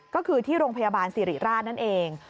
ก็คือที่โรงพยาบาลสิริราชนั่นเอง